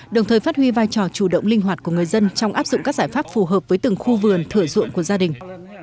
đồng thời phát huy vai trò chủ động linh hoạt của người dân trong áp dụng các giải pháp phù hợp với từng khu vườn thửa ruộng của gia đình